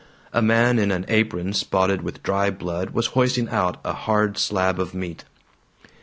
A man in an apron spotted with dry blood was hoisting out a hard slab of meat.